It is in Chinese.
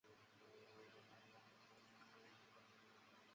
博物馆展出的最吸引人的物品之一是一件真人大小的宝塔。